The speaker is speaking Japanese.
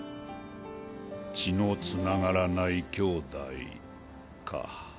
血の繋がらない兄妹か。